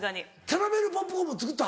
キャラメルポップコーンも作った？